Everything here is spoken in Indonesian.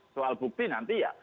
soal bukti nanti ya